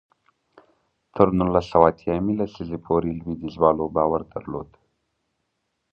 تر نولس سوه اتیا یمې لسیزې پورې لوېدیځوالو باور درلود.